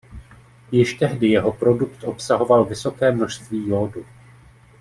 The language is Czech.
Již tehdy jeho produkt obsahoval vysoké množství jódu.